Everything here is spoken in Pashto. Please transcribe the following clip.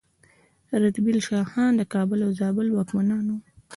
رتبیل شاهان د کابل او زابل واکمنان وو